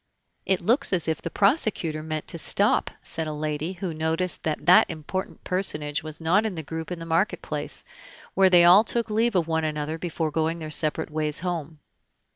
"It looks as if the prosecutor meant to stop," said a lady, who noticed that that important personage was not in the group in the market place, where they all took leave of one another before going their separate ways home.